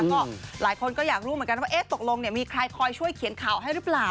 ก็หลายคนก็อยากรู้เหมือนกันว่าตกลงมีใครคอยช่วยเขียนข่าวให้หรือเปล่า